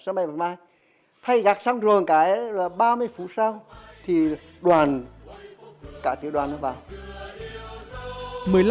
sân bay bình mai thay gác xong rồi một cái là ba mươi phút sau thì đoàn cả tiểu đoàn nó vào